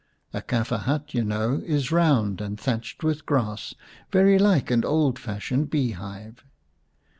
A Kafir hut, you know, is round and thatched with grass, very like an old fashioned bee hive.